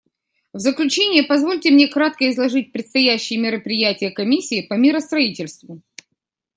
В заключение позвольте мне кратко изложить предстоящие мероприятия Комиссии по миростроительству.